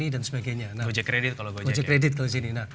dan sebagainya gojek kredit kalau disini